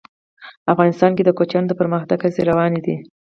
افغانستان کې د کوچیانو د پرمختګ هڅې روانې دي.